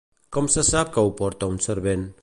Com se sap que ho porta un servent?